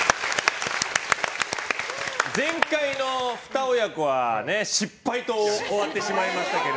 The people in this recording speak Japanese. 前回のふた親子は失敗と終わってしまいましたが。